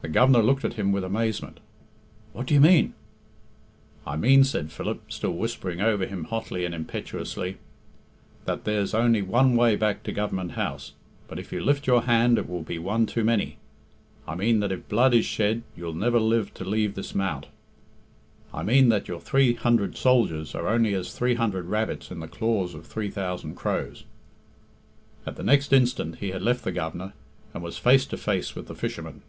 The Governor looked at him with amazement. "What do you mean?" "I mean," said Philip, still whispering over him hotly and impetuously, "that there's only one way back to Government House, but if you lift your hand it will be one too many; I mean that if blood is shed you'll never live to leave this mount; I mean that your three hundred soldiers are only as three hundred rabbits in the claws of three thousand crows." At the next instant he had left the Governor, and was face to face with the fishermen.